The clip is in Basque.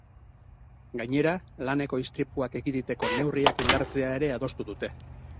Gainera, laneko istripuak ekiditeko neurriak indartzea ere adostu dute.